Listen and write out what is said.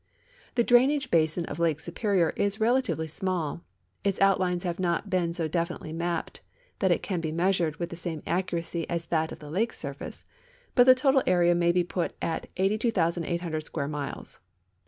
The drainage basin of Lake Superior is relatively small. Its outlines have not been so definitely ma{)ped that it can be meas ured with the same accuracy as that of the lake surface, but the total area may l)e put at 82,800 square miles.